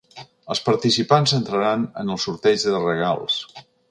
Els participants entraran en el sorteig de regals.